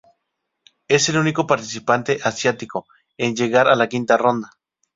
Es el único participante asiático en llegar a la quinta ronda.